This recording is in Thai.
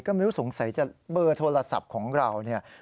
ไม่รู้สงสัยเบอร์โทรศัพท์ของเรา